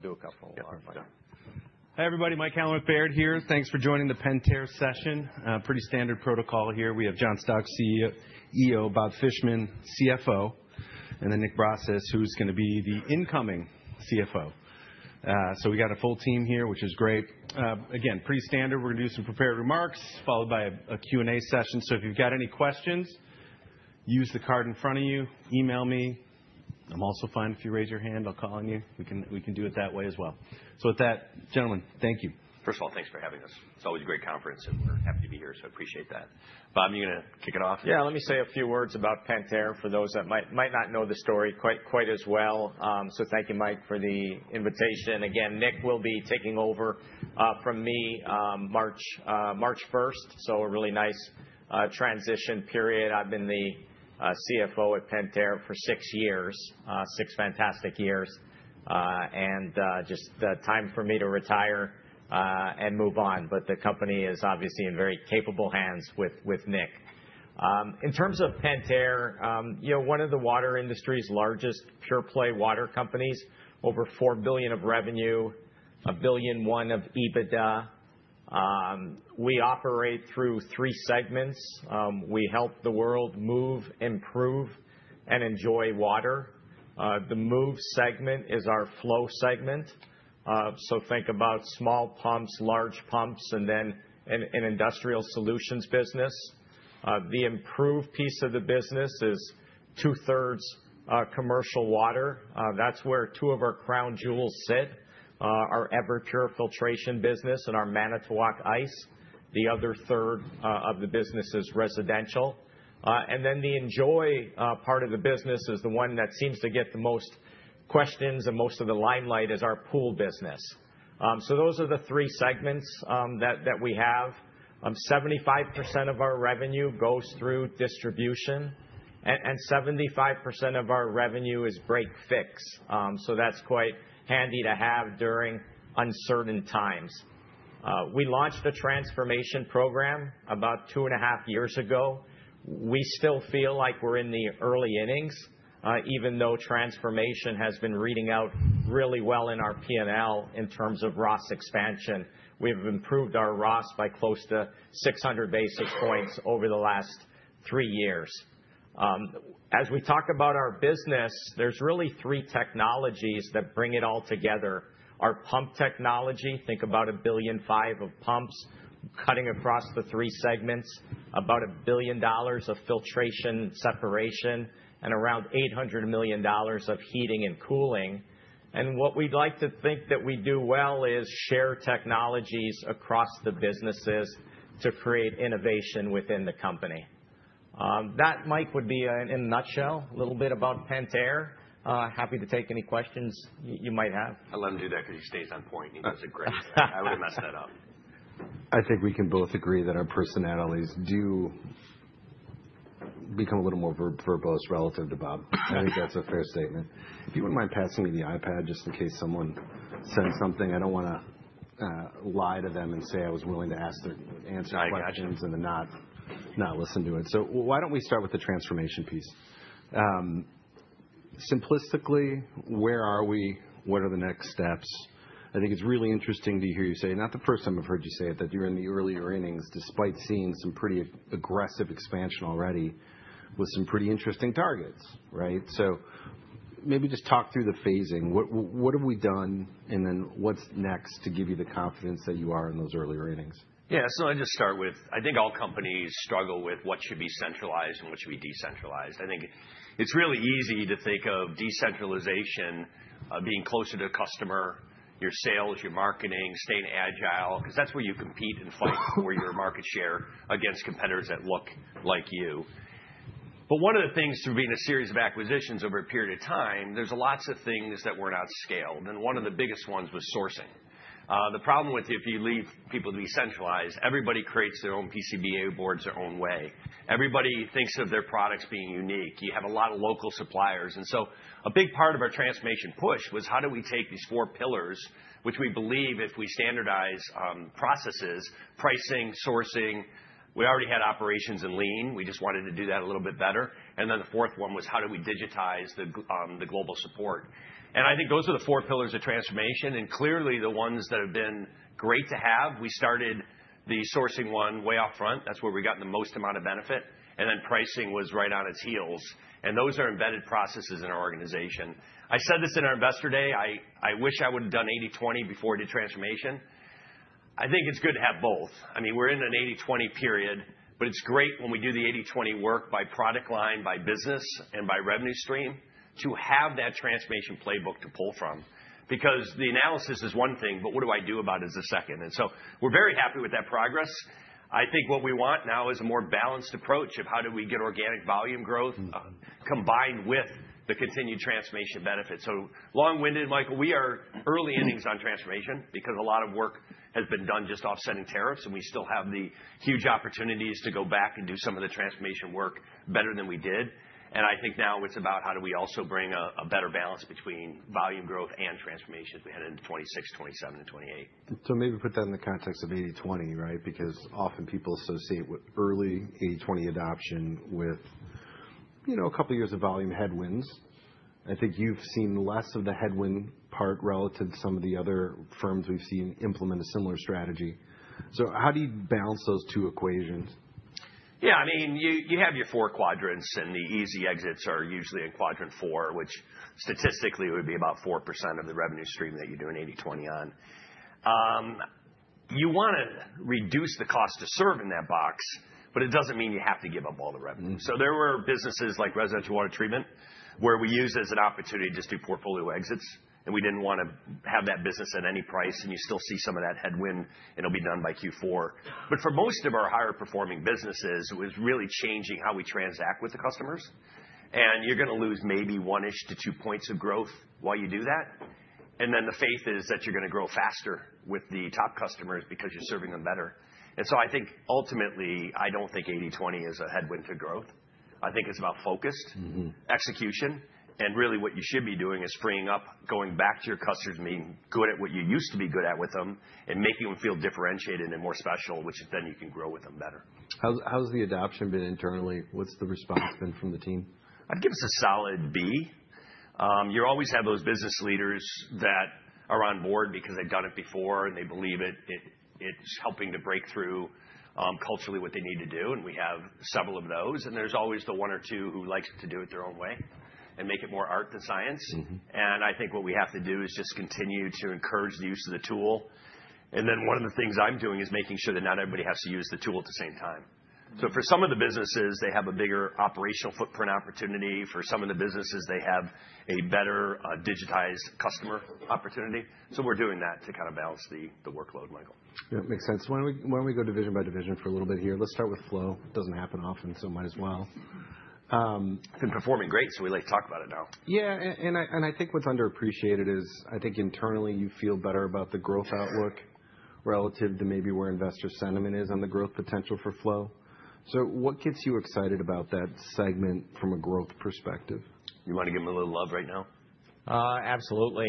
Hey, everybody. Mike Allen with Baird here. Thanks for joining the Pentair session. Pretty standard protocol here. We have John Stauch, CEO, Bob Fishman, CFO, and then Nick Brazis, who's going to be the incoming CFO. So we got a full team here, which is great. Again, pretty standard. We're going to do some prepared remarks, followed by a Q&A session. So if you've got any questions, use the card in front of you. Email me. I'm also fine if you raise your hand. I'll call on you. We can do it that way as well. So with that, gentlemen, thank you. First of all, thanks for having us. It's always a great conference, and we're happy to be here, so I appreciate that. Bob, you're going to kick it off? Yeah, let me say a few words about Pentair for those that might not know the story quite as well. So thank you, Mike, for the invitation. Again, Nick will be taking over from me March 1st, so a really nice transition period. I've been the CFO at Pentair for six years, six fantastic years, and just time for me to retire and move on. But the company is obviously in very capable hands with Nick. In terms of Pentair, one of the water industry's largest pure-play water companies, over $4 billion of revenue, $1 billion of EBITDA. We operate through three segments. We help the world move, improve, and enjoy water. The move segment is our flow segment. So think about small pumps, large pumps, and then an industrial solutions business. The improved piece of the business is two-thirds commercial water. That's where two of our crown jewels sit, our Everpure filtration business and our Manitowoc Ice. The other third of the business is residential, and then the enjoy part of the business is the one that seems to get the most questions and most of the limelight, is our Pool business, so those are the three segments that we have. 75% of our revenue goes through distribution, and 75% of our revenue is break/fix, so that's quite handy to have during uncertain times. We launched a transformation program about two and a half years ago. We still feel like we're in the early innings, even though transformation has been paying out really well in our P&L in terms of ROS expansion. We've improved our ROS by close to 600 basis points over the last three years. As we talk about our business, there's really three technologies that bring it all together: our pump technology (think about $1 billion of pumps cutting across the three segments), about $1 billion of filtration and separation, and around $800 million of heating and cooling. What we'd like to think that we do well is share technologies across the businesses to create innovation within the company. That, Mike, would be in a nutshell. A little bit about Pentair. Happy to take any questions you might have. I'd love to do that because he stays on point. He knows it great. I would have messed that up. I think we can both agree that our personalities do become a little more verbose relative to Bob. I think that's a fair statement. If you wouldn't mind passing me the iPad just in case someone sends something. I don't want to lie to them and say I was willing to answer questions and not listen to it. So why don't we start with the transformation piece? Simplistically, where are we? What are the next steps? I think it's really interesting to hear you say, not the first time I've heard you say it, that you're in the earlier innings despite seeing some pretty aggressive expansion already with some pretty interesting targets. So maybe just talk through the phasing. What have we done, and then what's next to give you the confidence that you are in those earlier innings? Yeah, so I'll just start with, I think all companies struggle with what should be centralized and what should be decentralized. I think it's really easy to think of decentralization being closer to the customer, your sales, your marketing, staying agile, because that's where you compete and fight for your market share against competitors that look like you. But one of the things through being a series of acquisitions over a period of time, there's lots of things that were not scaled. And one of the biggest ones was sourcing. The problem with if you leave people to be centralized, everybody creates their own PCBA boards their own way. Everybody thinks of their products being unique. You have a lot of local suppliers. And so a big part of our transformation push was how do we take these four pillars, which we believe if we standardize processes, pricing, sourcing, we already had operations in lean. We just wanted to do that a little bit better. And then the fourth one was how do we digitize the global support? And I think those are the four pillars of transformation. And clearly, the ones that have been great to have, we started the sourcing one way up front. That's where we got the most amount of benefit. And then pricing was right on its heels. And those are embedded processes in our organization. I said this in our Investor Day, I wish I would have done 80/20 before I did transformation. I think it's good to have both. I mean, we're in an 80/20 period, but it's great when we do the 80/20 work by product line, by business, and by revenue stream to have that transformation playbook to pull from. Because the analysis is one thing, but what do I do about it is a second. And so we're very happy with that progress. I think what we want now is a more balanced approach of how do we get organic volume growth combined with the continued transformation benefit. So long-winded, Michael, we are early innings on transformation because a lot of work has been done just offsetting tariffs, and we still have the huge opportunities to go back and do some of the transformation work better than we did. And I think now it's about how do we also bring a better balance between volume growth and transformation as we head into 2026, 2027, and 2028. So maybe put that in the context of 80/20, right? Because often people associate early 80/20 adoption with a couple of years of volume headwinds. I think you've seen less of the headwind part relative to some of the other firms we've seen implement a similar strategy. So how do you balance those two equations? Yeah, I mean, you have your four quadrants, and the easy exits are usually in quadrant four, which statistically would be about 4% of the revenue stream that you're doing 80/20 on. You want to reduce the cost to serve in that box, but it doesn't mean you have to give up all the revenue. So there were businesses like residential water treatment where we used it as an opportunity to just do portfolio exits. And we didn't want to have that business at any price. And you still see some of that headwind. It'll be done by Q4. But for most of our higher-performing businesses, it was really changing how we transact with the customers. And you're going to lose maybe one-ish to two points of growth while you do that. And then the math is that you're going to grow faster with the top customers because you're serving them better. And so I think ultimately, I don't think 80/20 is a headwind to growth. I think it's about focused execution. And really what you should be doing is freeing up, going back to your customers, being good at what you used to be good at with them, and making them feel differentiated and more special, which then you can grow with them better. How's the adoption been internally? What's the response been from the team? I'd give us a solid B. You always have those business leaders that are on board because they've done it before, and they believe it. It's helping to break through culturally what they need to do. And we have several of those. And there's always the one or two who like to do it their own way and make it more art than science. And I think what we have to do is just continue to encourage the use of the tool. And then one of the things I'm doing is making sure that not everybody has to use the tool at the same time. So for some of the businesses, they have a bigger operational footprint opportunity. For some of the businesses, they have a better digitized customer opportunity. So we're doing that to kind of balance the workload, Michael. Yeah, it makes sense. Why don't we go division by division for a little bit here? Let's start with flow. Doesn't happen often, so might as well. It's been performing great, so we like to talk about it now. Yeah, and I think what's underappreciated is I think internally you feel better about the growth outlook relative to maybe where investor sentiment is on the growth potential for flow, so what gets you excited about that segment from a growth perspective? You want to give them a little love right now? Absolutely.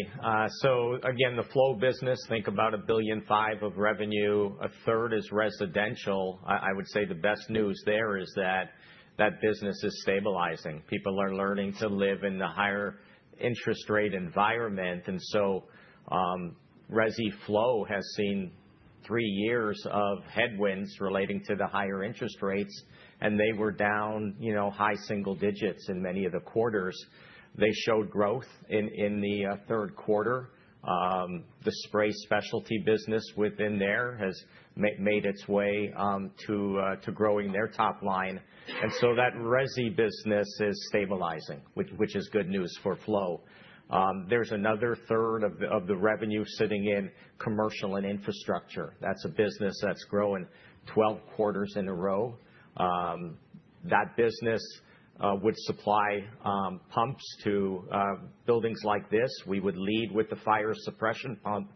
So again, the Flow business, think about $1 billion of revenue. A third is residential. I would say the best news there is that that business is stabilizing. People are learning to live in the higher interest rate environment. And so Resi Flow has seen three years of headwinds relating to the higher interest rates. And they were down high single digits in many of the quarters. They showed growth in the third quarter. The spray specialty business within there has made its way to growing their top line. And so that Resi business is stabilizing, which is good news for Flow. There's another third of the revenue sitting in commercial and infrastructure. That's a business that's growing 12 quarters in a row. That business would supply pumps to buildings like this. We would lead with the fire suppression pump.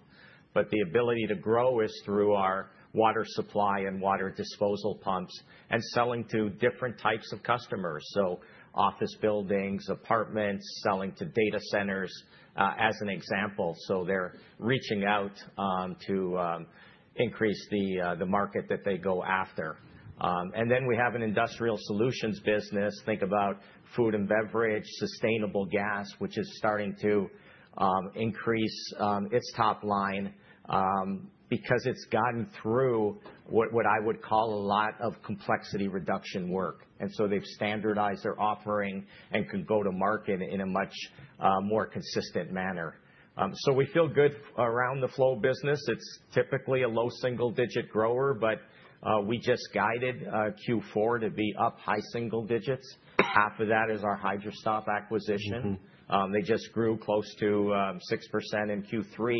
The ability to grow is through our water supply and water disposal pumps and selling to different types of customers, so office buildings, apartments, selling to data centers as an example. They're reaching out to increase the market that they go after. We have an industrial solutions business. Think about food and beverage, sustainable gas, which is starting to increase its top line because it's gotten through what I would call a lot of complexity reduction work. They've standardized their offering and can go to market in a much more consistent manner. We feel good around the flow business. It's typically a low single digit grower, but we just guided Q4 to be up high single digits. Half of that is our Hydra-Stop acquisition. They just grew close to 6% in Q3.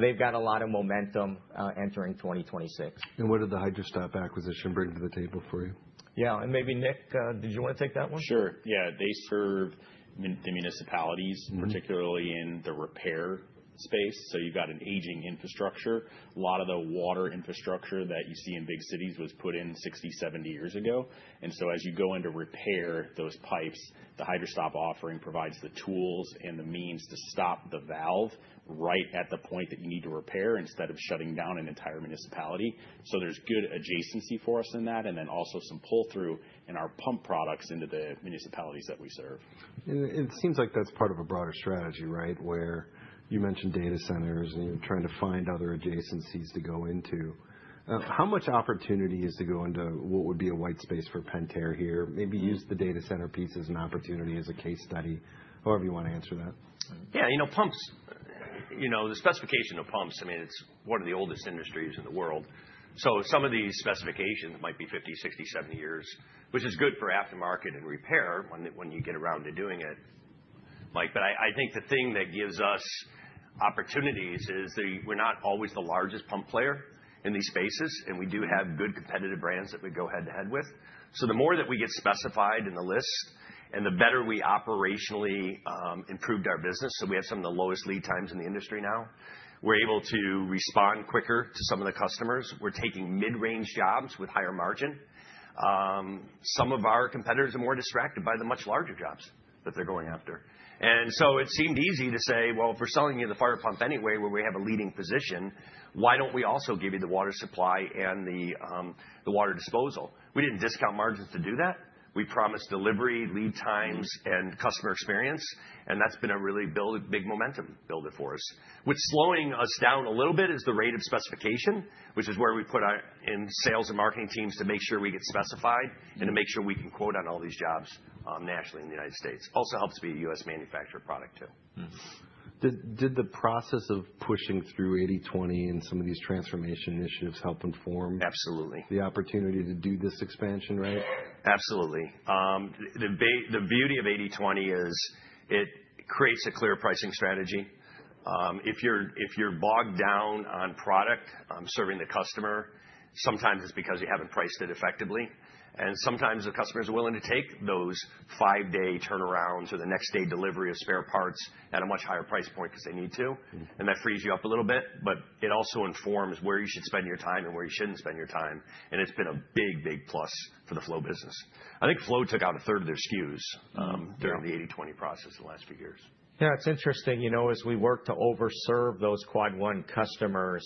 They've got a lot of momentum entering 2026. What did the Hydra-Stop acquisition bring to the table for you? Yeah. And maybe Nick, did you want to take that one? Sure. Yeah. They serve the municipalities, particularly in the repair space. So you've got an aging infrastructure. A lot of the water infrastructure that you see in big cities was put in 60, 70 years ago, and so as you go into repair those pipes, the Hydra-Stop offering provides the tools and the means to stop the valve right at the point that you need to repair instead of shutting down an entire municipality, so there's good adjacency for us in that, and then also some pull-through in our pump products into the municipalities that we serve. It seems like that's part of a broader strategy, right, where you mentioned data centers and you're trying to find other adjacencies to go into. How much opportunity is there to go into what would be a white space for Pentair here? Maybe use the data center piece as an opportunity as a case study. However you want to answer that. Yeah. You know, pumps, the specification of pumps, I mean, it's one of the oldest industries in the world. So some of these specifications might be 50, 60, 70 years, which is good for aftermarket and repair when you get around to doing it. Mike, but I think the thing that gives us opportunities is we're not always the largest pump player in these spaces, and we do have good competitive brands that we go head-to-head with. So the more that we get specified in the list and the better we operationally improved our business, so we have some of the lowest lead times in the industry now, we're able to respond quicker to some of the customers. We're taking mid-range jobs with higher margin. Some of our competitors are more distracted by the much larger jobs that they're going after. And so it seemed easy to say, well, if we're selling you the fire pump anyway, where we have a leading position, why don't we also give you the water supply and the water disposal? We didn't discount margins to do that. We promised delivery, lead times, and customer experience. And that's been a really big momentum builder for us. What's slowing us down a little bit is the rate of specification, which is where we put our sales and marketing teams to make sure we get specified and to make sure we can quote on all these jobs nationally in the United States. Also helps be a U.S. manufactured product too. Did the process of pushing through 80/20 and some of these transformation initiatives help inform? Absolutely. The opportunity to do this expansion, right? Absolutely. The beauty of 80/20 is it creates a clear pricing strategy. If you're bogged down on product serving the customer, sometimes it's because you haven't priced it effectively. And sometimes the customer is willing to take those five-day turnarounds or the next-day delivery of spare parts at a much higher price point because they need to. And that frees you up a little bit. But it also informs where you should spend your time and where you shouldn't spend your time. And it's been a big, big plus for the flow business. I think flow took out a third of their SKUs during the 80/20 process in the last few years. Yeah. It's interesting. You know, as we work to overserve those quad one customers,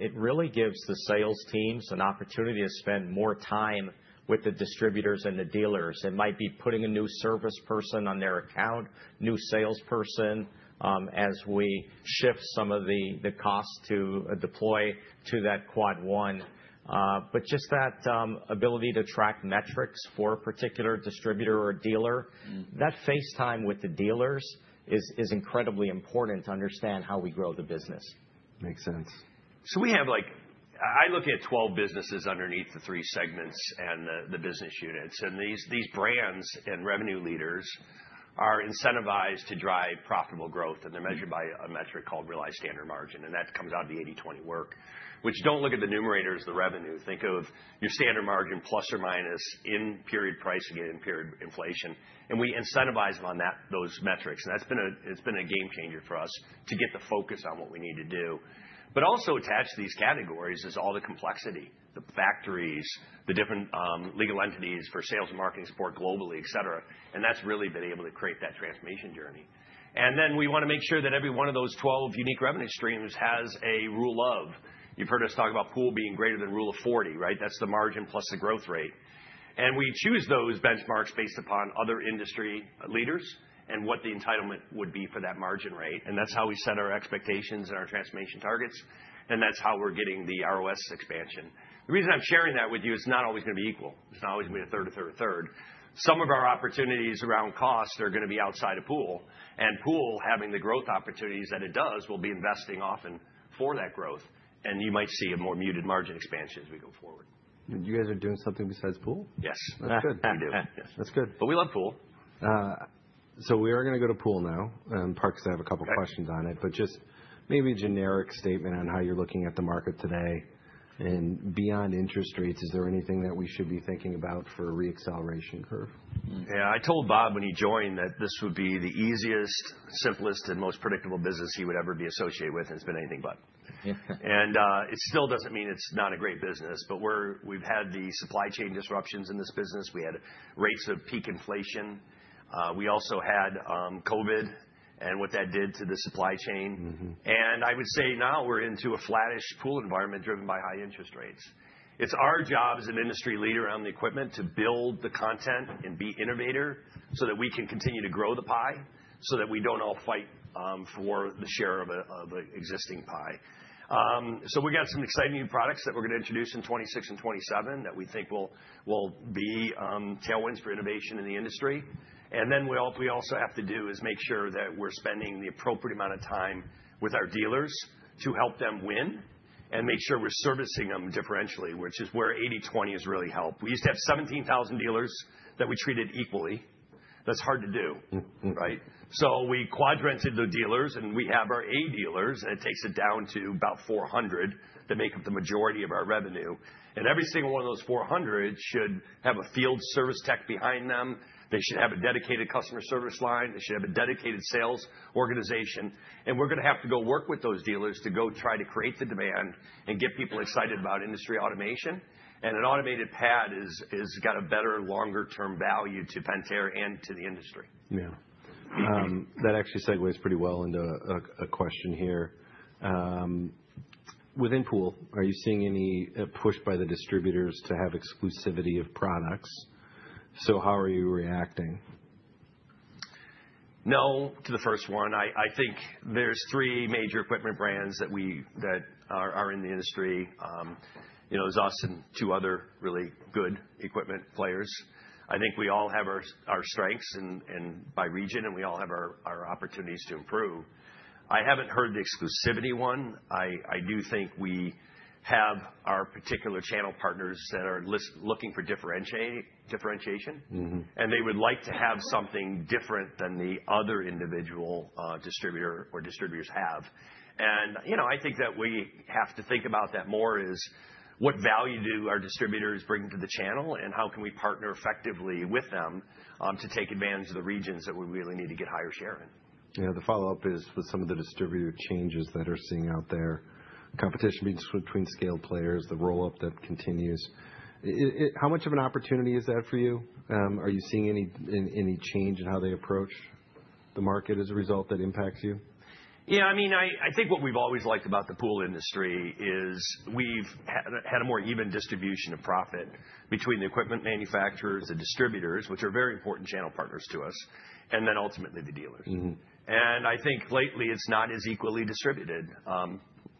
it really gives the sales teams an opportunity to spend more time with the distributors and the dealers. It might be putting a new service person on their account, new salesperson as we shift some of the costs to deploy to that quad one. But just that ability to track metrics for a particular distributor or dealer, that face time with the dealers is incredibly important to understand how we grow the business. Makes sense. So we have like, I look at 12 businesses underneath the three segments and the business units. And these brands and revenue leaders are incentivized to drive profitable growth. And they're measured by a metric called realized standard margin. And that comes out of the 80/20 work, which don't look at the numerators, the revenue. Think of your standard margin plus or minus in period pricing and in period inflation. And we incentivize them on those metrics. And that's been a game changer for us to get the focus on what we need to do. But also attached to these categories is all the complexity, the factories, the different legal entities for sales and marketing support globally, et cetera. And that's really been able to create that transformation journey. And then we want to make sure that every one of those 12 unique revenue streams has a rule of. You've heard us talk about pool being greater than rule of 40, right? That's the margin plus the growth rate. And we choose those benchmarks based upon other industry leaders and what the entitlement would be for that margin rate. And that's how we set our expectations and our transformation targets. And that's how we're getting the ROS expansion. The reason I'm sharing that with you is it's not always going to be equal. It's not always going to be a third, a third, a third. Some of our opportunities around cost are going to be outside of pool. And pool, having the growth opportunities that it does, will be investing often for that growth. And you might see a more muted margin expansion as we go forward. And you guys are doing something besides pool? Yes. That's good. We do. That's good. But we love Pool. So we are going to go to pool now. And Parks, I have a couple of questions on it, but just maybe a generic statement on how you're looking at the market today. And beyond interest rates, is there anything that we should be thinking about for a reacceleration curve? Yeah. I told Bob when he joined that this would be the easiest, simplest, and most predictable business he would ever be associated with. And it's been anything but. And it still doesn't mean it's not a great business, but we've had the supply chain disruptions in this business. We had rates of peak inflation. We also had COVID and what that did to the supply chain. And I would say now we're into a flattish pool environment driven by high interest rates. It's our job as an industry leader on the equipment to build the content and be innovator so that we can continue to grow the pie so that we don't all fight for the share of an existing pie. So we've got some exciting new products that we're going to introduce in 2026 and 2027 that we think will be tailwinds for innovation in the industry. Then what we also have to do is make sure that we're spending the appropriate amount of time with our dealers to help them win and make sure we're servicing them differentially, which is where 80/20 has really helped. We used to have 17,000 dealers that we treated equally. That's hard to do, right? We quadranted the dealers, and we have our A dealers, and it takes it down to about 400 that make up the majority of our revenue. Every single one of those 400 should have a field service tech behind them. They should have a dedicated customer service line. They should have a dedicated sales organization. We're going to have to go work with those dealers to go try to create the demand and get people excited about industry automation. An automated pad has got a better longer-term value to Pentair and to the industry. Yeah. That actually segues pretty well into a question here. Within pool, are you seeing any push by the distributors to have exclusivity of products? So how are you reacting? No to the first one. I think there's three major equipment brands that are in the industry. There's also two other really good equipment players. I think we all have our strengths by region, and we all have our opportunities to improve. I haven't heard the exclusivity one. I do think we have our particular channel partners that are looking for differentiation, and they would like to have something different than the other individual distributor or distributors have, and I think that we have to think about that more, is what value do our distributors bring to the channel, and how can we partner effectively with them to take advantage of the regions that we really need to get higher share in? Yeah. The follow-up is with some of the distributor changes that are seen out there, competition between scale players, the roll-up that continues. How much of an opportunity is that for you? Are you seeing any change in how they approach the market as a result that impacts you? Yeah. I mean, I think what we've always liked about the Pool Industry is we've had a more even distribution of profit between the equipment manufacturers and distributors, which are very important channel partners to us, and then ultimately the dealers. And I think lately it's not as equally distributed,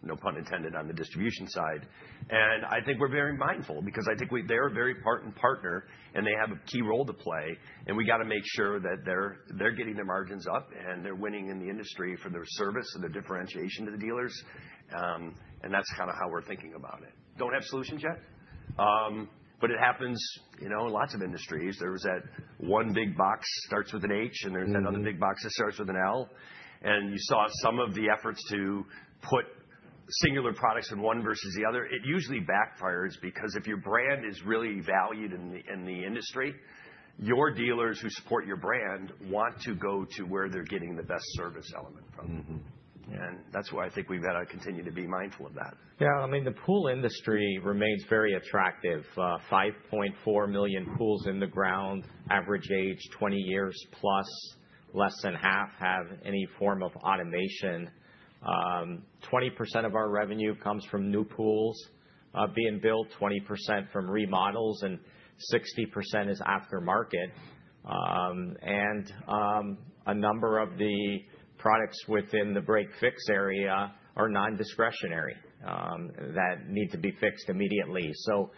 no pun intended on the distribution side. And I think we're very mindful because I think they're a very important partner, and they have a key role to play. And we got to make sure that they're getting their margins up, and they're winning in the industry for their service and their differentiation to the dealers. And that's kind of how we're thinking about it. Don't have solutions yet, but it happens in lots of industries. There's that one big box that starts with an H, and there's that other big box that starts with an L. And you saw some of the efforts to put singular products in one versus the other. It usually backfires because if your brand is really valued in the industry, your dealers who support your brand want to go to where they're getting the best service element from. And that's why I think we've got to continue to be mindful of that. Yeah. I mean, the Pool Industry remains very attractive. 5.4 million pools in the ground, average age 20 years plus, less than half have any form of automation. 20% of our revenue comes from new pools being built, 20% from remodels, and 60% is aftermarket. And a number of the products within the break-fix area are non-discretionary that need to be fixed immediately. So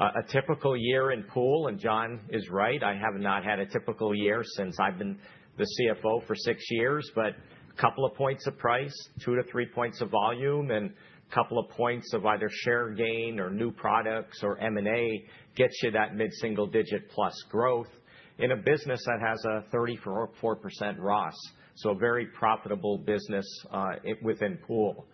a typical year in pool, and John is right. I have not had a typical year since I've been the CFO for six years, but a couple of points of price, 2-3 points of volume, and a couple of points of either share gain or new products or M&A gets you that mid-single digit plus growth in a business that has a 34% ROS. So a very profitable business within pool.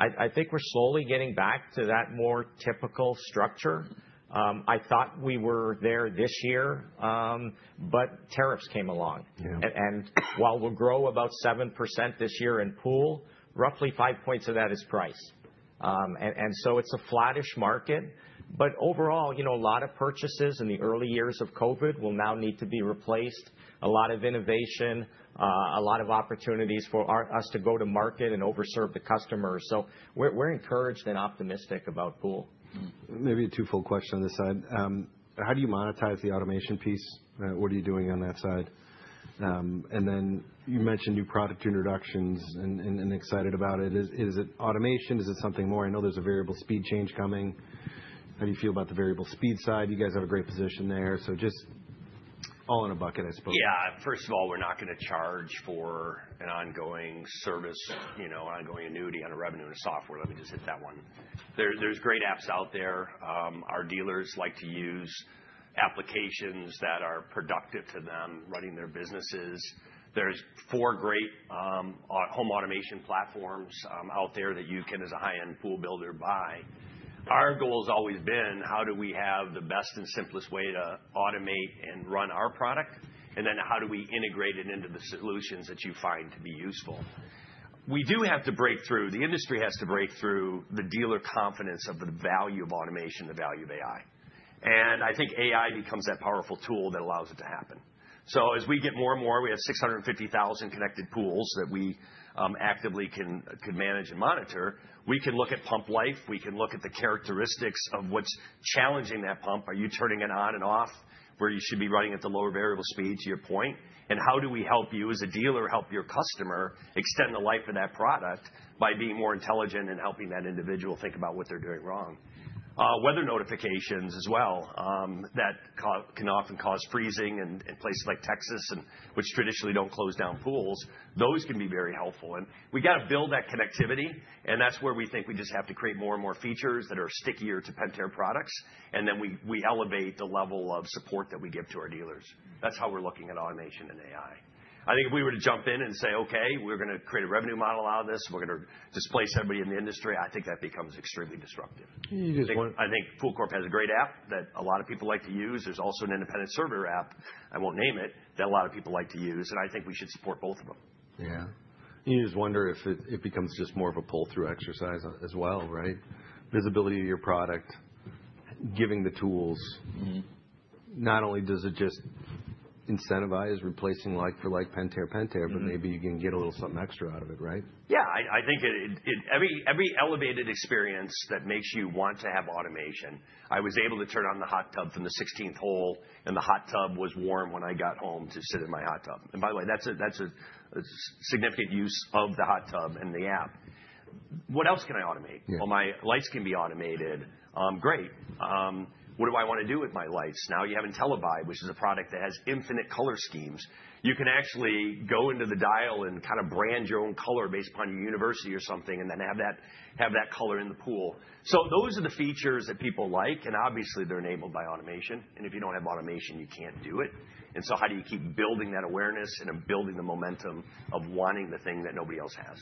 I think we're slowly getting back to that more typical structure. I thought we were there this year, but tariffs came along. And while we'll grow about 7% this year in pool, roughly 5 points of that is price. And so, it's a flattish market, but overall, you know, a lot of purchases in the early years of COVID will now need to be replaced. A lot of innovation, a lot of opportunities for us to go to market and overserve the customers. So we're encouraged and optimistic about pool. Maybe a two-fold question on this side. How do you monetize the automation piece? What are you doing on that side? And then you mentioned new product introductions and excited about it. Is it automation? Is it something more? I know there's a variable speed change coming. How do you feel about the variable speed side? You guys have a great position there. So just all in a bucket, I suppose. Yeah. First of all, we're not going to charge for an ongoing service, an ongoing annuity on a revenue and a software. Let me just hit that one. There's great apps out there. Our dealers like to use applications that are productive to them running their businesses. There's four great home automation platforms out there that you can, as a high-end pool builder, buy. Our goal has always been, how do we have the best and simplest way to automate and run our product? And then how do we integrate it into the solutions that you find to be useful? We do have to break through. The industry has to break through the dealer confidence of the value of automation, the value of AI. And I think AI becomes that powerful tool that allows it to happen. So as we get more and more, we have 650,000 connected pools that we actively can manage and monitor. We can look at pump life. We can look at the characteristics of what's challenging that pump. Are you turning it on and off where you should be running at the lower variable speed, to your point, and how do we help you as a dealer help your customer extend the life of that product by being more intelligent and helping that individual think about what they're doing wrong? Weather notifications as well that can often cause freezing in places like Texas, which traditionally don't close down pools. Those can be very helpful, and we got to build that connectivity, and that's where we think we just have to create more and more features that are stickier to Pentair products. And then we elevate the level of support that we give to our dealers. That's how we're looking at automation and AI. I think if we were to jump in and say, "Okay, we're going to create a revenue model out of this. We're going to displace everybody in the industry," I think that becomes extremely disruptive. I think Pool Corp has a great app that a lot of people like to use. There's also an independent server app, I won't name it, that a lot of people like to use. And I think we should support both of them. Yeah. You just wonder if it becomes just more of a pull-through exercise as well, right? Visibility of your product, giving the tools. Not only does it just incentivize replacing like-for-like Pentair Pentair, but maybe you can get a little something extra out of it, right? Yeah. I think every elevated experience that makes you want to have automation. I was able to turn on the hot tub from the 16th hole, and the hot tub was warm when I got home to sit in my hot tub. And by the way, that's a significant use of the hot tub and the app. What else can I automate? Well, my lights can be automated. Great. What do I want to do with my lights? Now you have IntelliBrite, which is a product that has infinite color schemes. You can actually go into the dial and kind of brand your own color based upon your university or something and then have that color in the pool. So those are the features that people like. And obviously, they're enabled by automation. And if you don't have automation, you can't do it. And so how do you keep building that awareness and building the momentum of wanting the thing that nobody else has?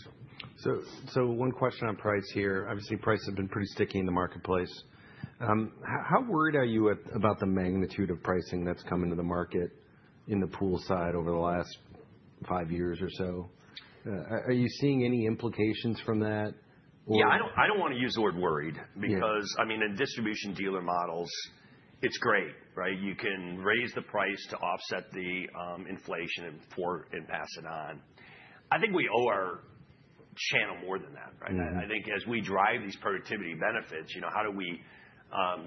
So one question on price here. Obviously, prices have been pretty sticky in the marketplace. How worried are you about the magnitude of pricing that's come into the market in the pool side over the last five years or so? Are you seeing any implications from that? Yeah. I don't want to use the word worried because, I mean, in distribution dealer models, it's great, right? You can raise the price to offset the inflation and pass it on. I think we owe our channel more than that, right? I think as we drive these productivity benefits, how do we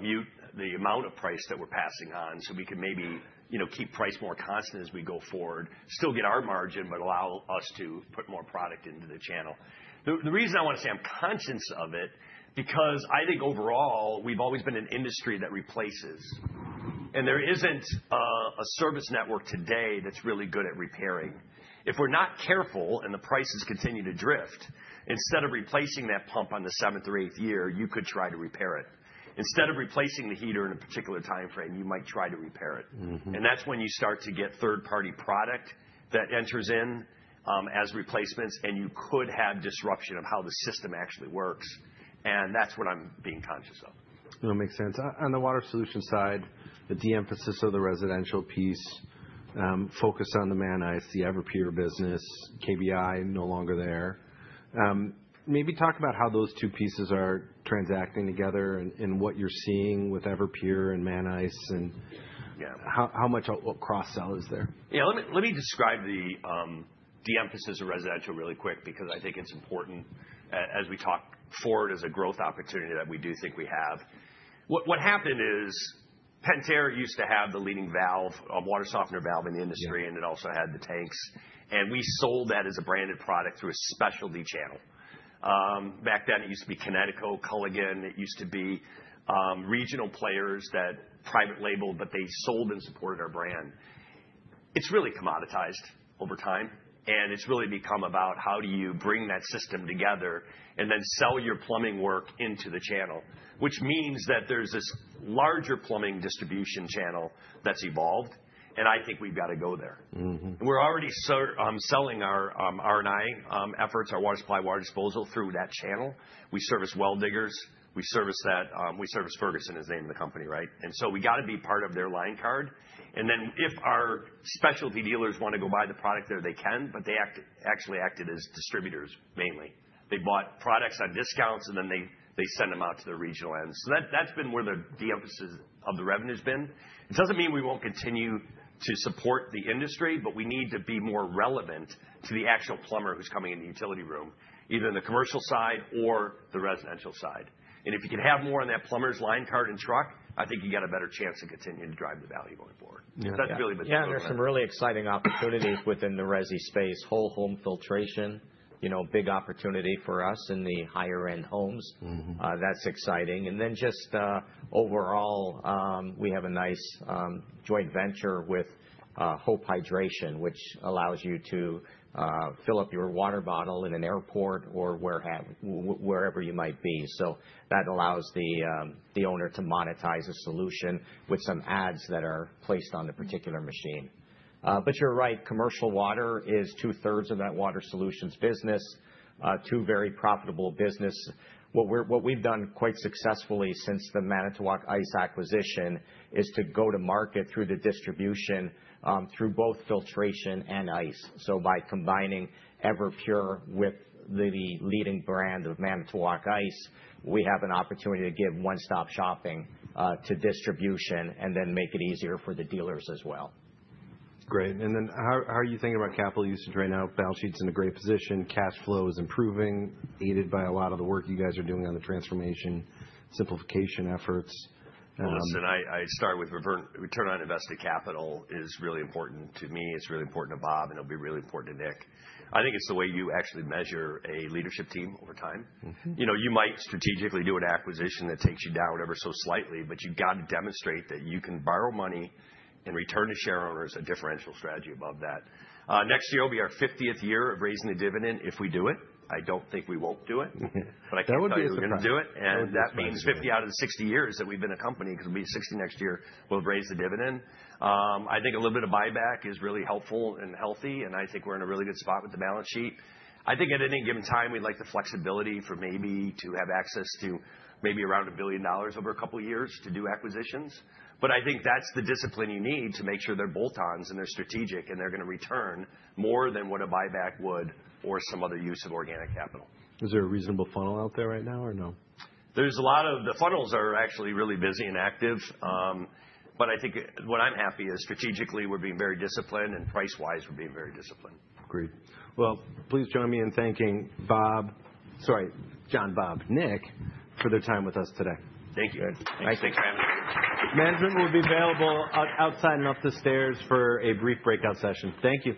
mute the amount of price that we're passing on so we can maybe keep price more constant as we go forward, still get our margin, but allow us to put more product into the channel? The reason I want to say I'm conscious of it is because I think overall, we've always been an industry that replaces. And there isn't a service network today that's really good at repairing. If we're not careful and the prices continue to drift, instead of replacing that pump on the seventh or eighth year, you could try to repair it. Instead of replacing the heater in a particular time frame, you might try to repair it. And that's when you start to get third-party product that enters in as replacements, and you could have disruption of how the system actually works. And that's what I'm being conscious of. That makes sense. On the water solution side, the de-emphasis of the residential piece, focus on the Manitowoc Ice, the Everpure business, KBI no longer there. Maybe talk about how those two pieces are transacting together and what you're seeing with Everpure and Manitowoc Ice and how much cross-sell is there. Yeah. Let me describe the de-emphasis of residential really quick because I think it's important as we talk forward as a growth opportunity that we do think we have. What happened is Pentair used to have the leading valve, a water softener valve in the industry, and it also had the tanks, and we sold that as a branded product through a specialty channel. Back then, it used to be Kinetico, Culligan. It used to be regional players that private labeled, but they sold and supported our brand. It's really commoditized over time, and it's really become about how do you bring that system together and then sell your plumbing work into the channel, which means that there's this larger plumbing distribution channel that's evolved, and I think we've got to go there. We're already selling our R&I efforts, our water supply, water disposal through that channel. We service well diggers. We service that. We service Ferguson, is the name of the company, right? And so we got to be part of their line card. And then if our specialty dealers want to go buy the product there, they can, but they actually acted as distributors mainly. They bought products on discounts, and then they send them out to their regional ends. So that's been where the de-emphasis of the revenue has been. It doesn't mean we won't continue to support the industry, but we need to be more relevant to the actual plumber who's coming in the utility room, either in the commercial side or the residential side. And if you can have more on that plumber's line card and truck, I think you got a better chance of continuing to drive the value going forward. So that's really been the overall. Yeah. There's some really exciting opportunities within the resi space. Whole home filtration, big opportunity for us in the higher-end homes. That's exciting. And then just overall, we have a nice joint venture with Hope Hydration, which allows you to fill up your water bottle in an airport or wherever you might be. So that allows the owner to monetize a solution with some ads that are placed on the particular machine. But you're right, commercial water is two-thirds of that water solutions business, two very profitable businesses. What we've done quite successfully since the Manitowoc Ice acquisition is to go to market through the distribution through both filtration and ice. So by combining Everpure with the leading brand of Manitowoc Ice, we have an opportunity to give one-stop shopping to distribution and then make it easier for the dealers as well. Great. Then how are you thinking about capital usage right now? Balance sheet's in a great position. Cash flow is improving, aided by a lot of the work you guys are doing on the transformation, simplification efforts. Listen, I start with reverse. Return on invested capital is really important to me. It's really important to Bob, and it'll be really important to Nick. I think it's the way you actually measure a leadership team over time. You might strategically do an acquisition that takes you down ever so slightly, but you've got to demonstrate that you can borrow money and return to share owners a differential strategy above that. Next year, it'll be our 50th year of raising the dividend if we do it. I don't think we won't do it, but I think we're going to do it. And that means 50 out of the 60 years that we've been a company because we'll be 60 next year. We'll raise the dividend. I think a little bit of buyback is really helpful and healthy, and I think we're in a really good spot with the balance sheet. I think at any given time, we'd like the flexibility for maybe to have access to maybe around $1 billion over a couple of years to do acquisitions. But I think that's the discipline you need to make sure they're bolt-ons and they're strategic and they're going to return more than what a buyback would or some other use of organic capital. Is there a reasonable funnel out there right now or no? There's a lot of the funnels are actually really busy and active. But I think what I'm happy is strategically we're being very disciplined and price-wise we're being very disciplined. Great. Well, please join me in thanking Bob, sorry, John, Bob, Nick for their time with us today. Thank you. Thanks. Thanks for having us. Management will be available outside and up the stairs for a brief breakout session. Thank you.